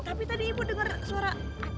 tapi tadi ibu dengar suara